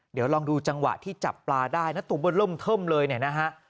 เดี๋ยวลองดูจังหวะที่จับปลาได้นะตัวเบอร์เริ่มเทิมเลยเนี่ยนะฮะ